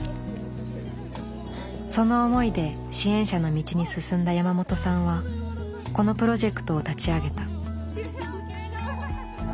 その思いで支援者の道に進んだ山本さんはこのプロジェクトを立ち上げた。